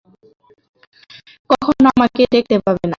কখনো আমাকে দেখতে পাবে না।